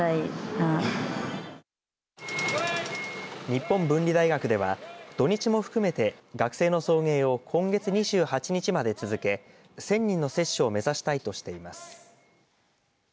日本文理大学では土日も含めて学生の送迎を今月２８日まで続け１０００人の接種を目指したいとしています。